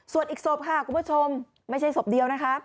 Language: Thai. ส่วนอีกศพครับคุณผู้ชมไม่ใช่ศพเดียว